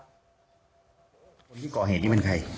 คนที่ก่อเหตุนี้เป็นใคร